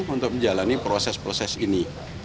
untuk menjalani proses proses ini